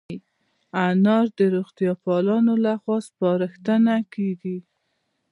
انار د روغتیا پالانو له خوا سپارښتنه کېږي.